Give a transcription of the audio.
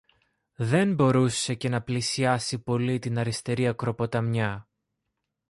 Δεν μπορούσε και να πλησιάσει πολύ την αριστερή ακροποταμιά